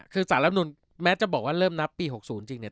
คือสารรับนุนแม้จะบอกว่าเริ่มนับปี๖๐จริงเนี่ย